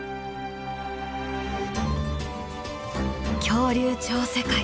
「恐竜超世界」。